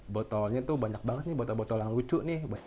botolnya tuh banyak banget nih botol botol yang lucu nih